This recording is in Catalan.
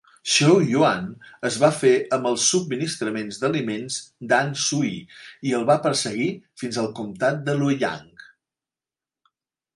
Xiahou Yuan es va fer amb els subministraments d'aliments d'Han Sui i el va perseguir fins al comtat de Lueyang.